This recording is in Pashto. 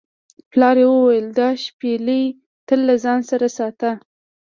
پلار یې وویل دا شپیلۍ تل له ځان سره ساته.